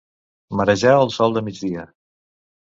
Marejar al sol de migdia.